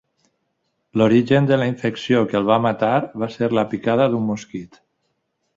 L'origen de la infecció que el va matar va ser la picada d'un mosquit.